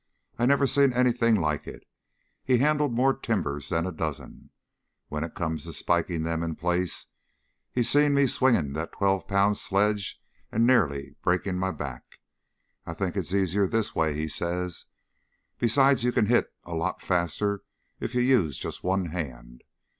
I never seen anything like it! He handled more timbers than a dozen. When it come to spiking them in place he seen me swinging that twelve pound sledge and near breaking my back. 'I think it's easier this way,' he says. 'Besides you can hit a lot faster if you use just one hand.'